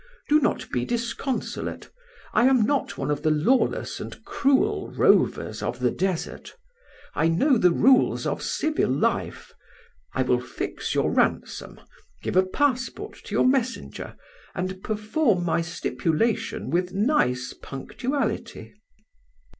Do not be disconsolate; I am not one of the lawless and cruel rovers of the desert; I know the rules of civil life; I will fix your ransom, give a passport to your messenger, and perform my stipulation with nice punctuality.